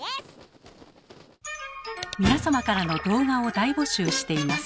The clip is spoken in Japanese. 皆様からの動画を大募集しています。